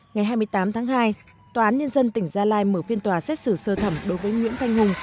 ngày hai mươi tám tháng hai tòa án nhân dân tỉnh gia lai mở phiên tòa xét xử sơ thẩm đối với nguyễn thanh hùng